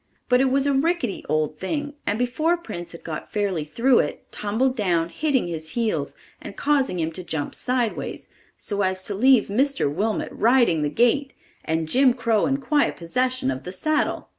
But it was a rickety old thing, and before Prince had got fairly through it tumbled down, hitting his heels and causing him to jump sideways, so as to leave Mr. Wilmot riding the gate and Jim Crow in quiet possession of the saddle!